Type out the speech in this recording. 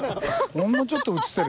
ほんのちょっと写ってる。